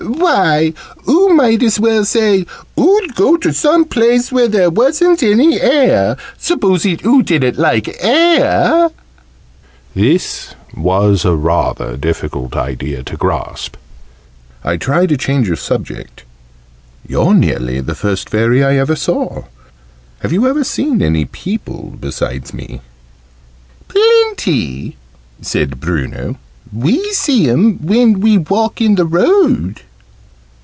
"Why, oo might as well say oo'd go to some place where there wasn't any air supposing oo didn't like air!" This was a rather difficult idea to grasp. I tried a change of subject. "You're nearly the first Fairy I ever saw. Have you ever seen any people besides me?" "Plenty!" said Bruno. "We see'em when we walk in the road."